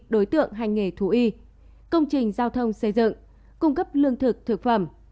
đối tượng hành nghề thú y công trình giao thông xây dựng cung cấp lương thực thực phẩm